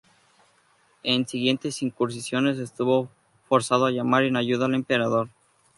En siguientes incursiones estuvo forzado a llamar en ayuda al emperador.